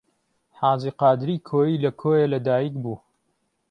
حاجی قادری کۆیی لە کۆیە لەدایک بوو.